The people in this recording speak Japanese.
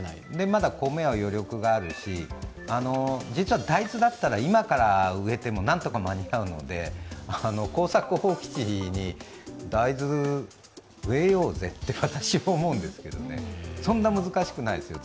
まだ米は余力があるし実は大豆だったら今から植えても何とか間に合うので、耕作放棄地に大豆植えようぜって、私、思うんですけどねそんな難しくないですよ